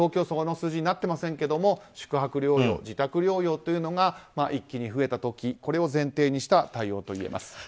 その数字になってませんけど宿泊療養、自宅療養というのが一気に増えた時を前提にした対応といえます。